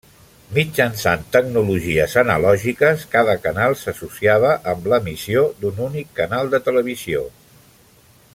Mitjançant tecnologies analògiques, cada canal s'associava amb l'emissió d'un únic canal de televisió.